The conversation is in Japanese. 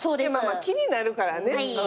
気になるからね。